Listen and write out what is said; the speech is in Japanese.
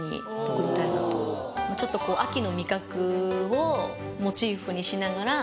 ちょっとこう秋の味覚をモチーフにしながら。